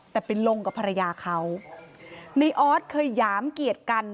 แต่ไปลงกับภรรยาเขาในออสเคยหยามเกียรติกัน